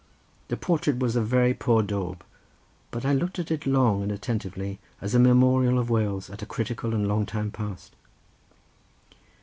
The portrait was a very poor daub, but I looked at it long and attentively as a memorial of Wales at a critical and long past time.